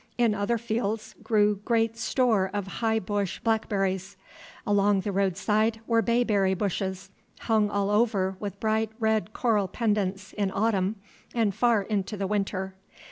In other fields grew great store of high bush blackberries. Along the roadside were bayberry bushes, hung all over with bright red coral pendants in autumn and far into the winter.